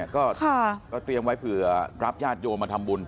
ก็เตรียมไว้เผื่อรับญาติโยมมาทำบุญ